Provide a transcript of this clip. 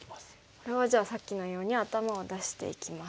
これはじゃあさっきのように頭を出していきます。